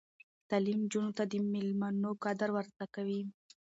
تعلیم نجونو ته د میلمنو قدر ور زده کوي.